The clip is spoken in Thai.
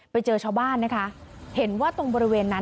ไปเจอชาวบ้านนะคะเห็นว่าตรงบริเวณนั้น